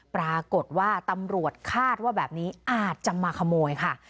ปรากฏว่าตำรวจคาดว่าแบบนี้อาจจะมาขโมยค่ะ